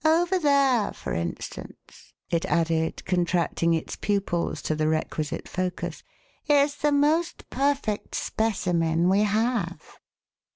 Over there, for instance," it added, contracting its pupils to the requisite focus, "is the most perfect specimen we have."